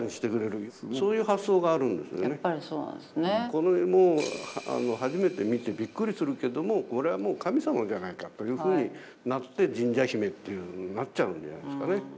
この絵も初めて見てびっくりするけどもこれはもう神様じゃないかというふうになって神社姫っていうふうになっちゃうんじゃないですかね。